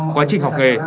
quá trình học nghề